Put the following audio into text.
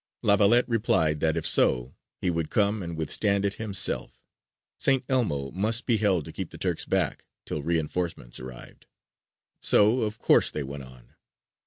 La Valette replied that, if so, he would come and withstand it himself: St. Elmo must be held to keep the Turks back till reinforcements arrived. So of course they went on.